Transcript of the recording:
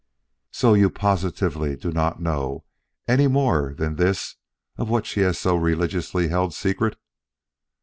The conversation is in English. "So you positively do not know any more than this of what she has so religiously held secret?"